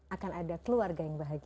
akan ada keluarga yang bahagia